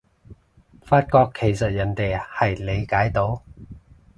發覺其實人哋係理解到